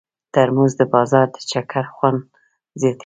ترموز د بازار د چکر خوند زیاتوي.